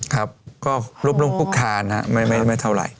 ครับก็รวบรวมคุกคานไม่เท่าไหร่